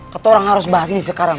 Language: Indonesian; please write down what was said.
kata orang harus bahas ini sekarang